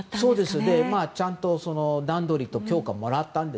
ちゃんと段取りと許可をもらって。